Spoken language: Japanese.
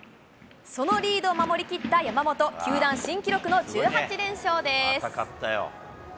そのリードを守り切った山本、球団新記録の１８連勝です。